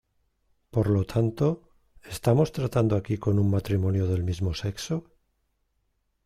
Por lo tanto, ¿estamos tratando aquí con un matrimonio del mismo sexo?